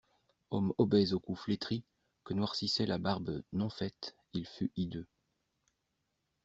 Homme obèse au cou flétri, que noircissait la barbe non faite, il fut hideux.